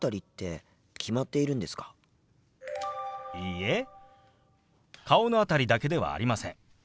いいえ顔の辺りだけではありません。